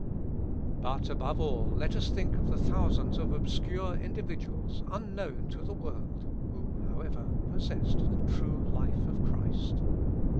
But, above all, let us think of the thousands of obscure individuals unknown to the world, who, however, possessed the true life of Christ.